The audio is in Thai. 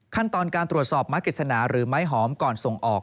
ขั้นตอนการตรวจสอบไม้กฤษณาหรือไม้หอมก่อนส่งออก